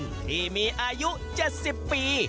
ที่มีอายุ๗๐ปี